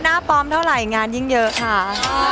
หน้าปลอมเท่าไหร่งานยิ่งเยอะค่ะ